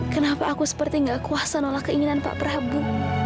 kenapa aku seperti gak kuasa nolak keinginan pak prabowo